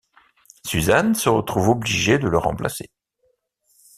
Suzanne se retrouve obligée de le remplacer.